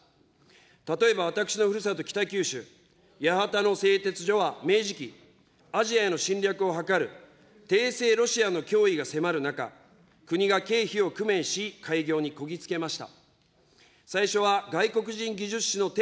例えば私のふるさと、北九州、八幡の製鉄所は明治期、アジアへの侵略を謀る帝政ロシアの脅威が迫る中、国が経費を工面し、開業にこぎつけました。